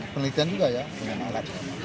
penelitian juga ya